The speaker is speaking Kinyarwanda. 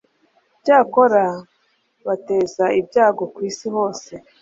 cyakora bateza ibyago ku isi hose